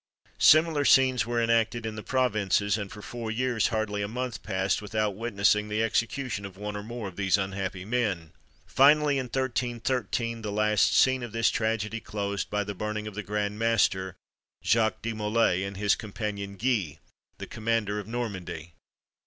Similar scenes were enacted in the provinces; and for four years hardly a month passed without witnessing the execution of one or more of these unhappy men. Finally, in 1313, the last scene of this tragedy closed by the burning of the Grand Master, Jacques de Molay, and his companion Guy, the commander of Normandy.